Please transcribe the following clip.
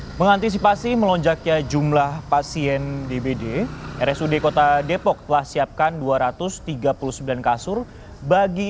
untuk mengantisipasi melonjaknya jumlah pasien dbd rsud kota depok telah siapkan dua ratus tiga puluh sembilan kasur bagi